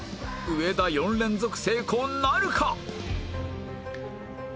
上田４連続成功なるか？